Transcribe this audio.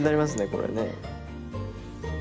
これね。